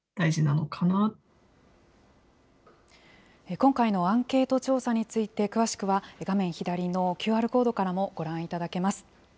今回のアンケート調査について詳しくは、画面左のＱＲコードからもご覧いただけます。